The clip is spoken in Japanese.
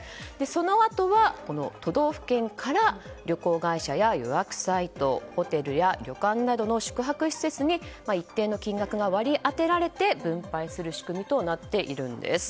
そのあとは、都道府県から旅行会社や予約サイトホテルや旅館などの宿泊施設に一定の金額が割り当てられて分配する仕組みとなっているんです。